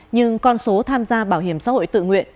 nhưng con số tham gia bảo hiểm xã hội tự nguyện